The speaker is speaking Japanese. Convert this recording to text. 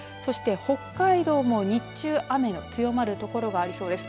そして北海道も日中雨の強まる所がありそうです。